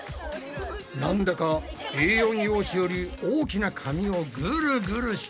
なんだかＡ４用紙より大きな紙をグルグルしているぞ。